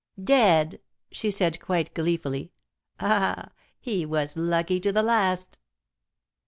"Dead!" she said quite gleefully. "Ah! he was lucky to the last."